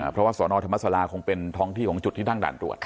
เพราะว่าสอนอธรรมศาลาคงเป็นท้องที่ของจุดที่นั่งด่านตรวจ